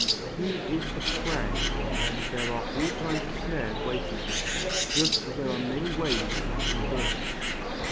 He is the prey, and there are all kinds of snares waiting for him, just as there are many ways of catching birds.